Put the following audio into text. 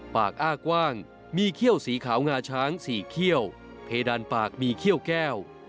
อ้ากว้างมีเขี้ยวสีขาวงาช้าง๔เขี้ยวเพดานปากมีเขี้ยวแก้ว